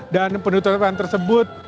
dan penutupan tersebut